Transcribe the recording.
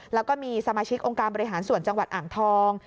แล้วก็มีสมาชิกองค์การบริหารส่วนจังหวัดอ่างทอง